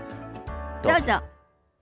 どうぞ。